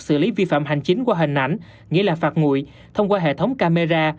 xử lý vi phạm hành chính qua hình ảnh nghĩa là phạt nguội thông qua hệ thống camera